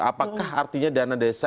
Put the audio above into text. apakah artinya dana desa